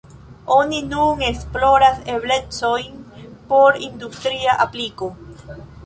Oni nun esploras eblecojn por industria apliko.